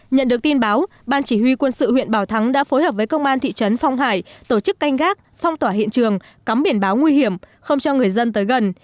nhận được tin báo ban chỉ huy quân sự huyện bảo thắng đã phối hợp với công an thị trấn phong hải tổ chức canh gác phong tỏa hiện trường cắm biển báo nguy hiểm không cho người dân tới gần